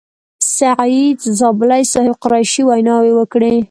سعید زابلي صاحب، قریشي ویناوې وکړې.